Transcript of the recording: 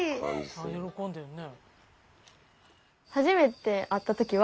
喜んでるね。